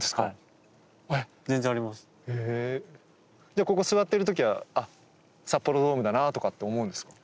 じゃあここ座ってる時はあっ札幌ドームだなとかって思うんですか？